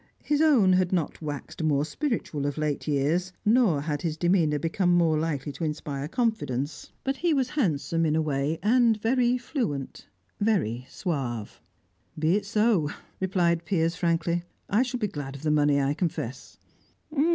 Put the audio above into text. His own had not waxed more spiritual of late years, nor had his demeanour become more likely to inspire confidence; but he was handsome, in a way, and very fluent, very suave. "Be it so," replied Piers frankly; "I shall be glad of the money, I confess."